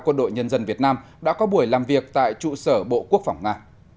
quân đội nhân dân việt nam đã có buổi làm việc tại trụ sở bộ quốc phòng nga